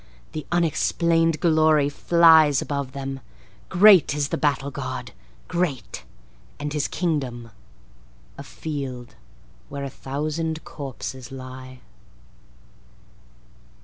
The unexplained glory flies above them, Great is the battle god, great, and his kingdom A field where a thousand corpses lie.